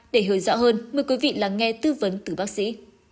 để hiểu rõ hơn mời quý vị lắng nghe tư vấn từ bác sĩ